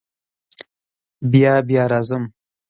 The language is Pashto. بیا بیا راځم.